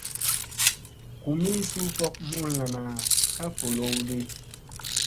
Gumii suu fok mullana ka bolowdi.